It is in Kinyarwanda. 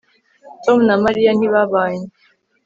tom na mariya ntibabanye